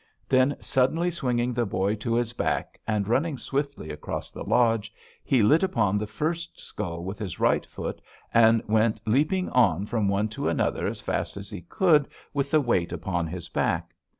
Then, suddenly swinging the boy to his back, and running swiftly across the lodge, he lit upon the first skull with his right foot, and went leaping on from one to another as fast as he could with the weight upon his back.